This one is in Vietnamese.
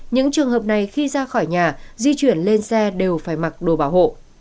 những trường hợp này khi ra khỏi nhà di chuyển lên xe đều phải mặc đồ bảo hộ